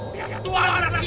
tuhan tidak boleh pergi